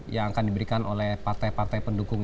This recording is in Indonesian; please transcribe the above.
yang akan diberikan oleh partai partai pendukung